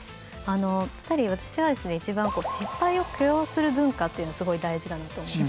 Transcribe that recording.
やっぱり私はですね一番失敗を許容する文化っていうのがすごい大事だなと思ってて。